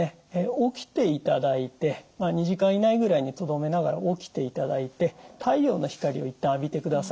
起きていただいて２時間以内ぐらいにとどめながら起きていただいて太陽の光を一旦浴びてください。